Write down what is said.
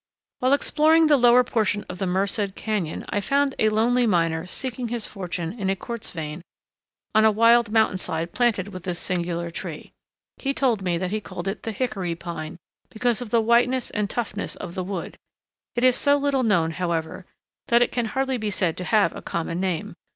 While exploring the lower portion of the Merced Cañon I found a lonely miner seeking his fortune in a quartz vein on a wild mountain side planted with this singular tree. He told me that he called it the Hickory Pine, because of the whiteness and toughness of the wood. It is so little known, however, that it can hardly be said to have a common name.